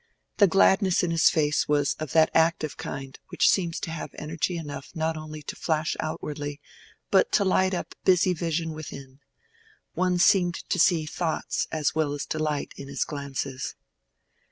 The gladness in his face was of that active kind which seems to have energy enough not only to flash outwardly, but to light up busy vision within: one seemed to see thoughts, as well as delight, in his glances.